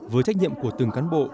với trách nhiệm của từng cán bộ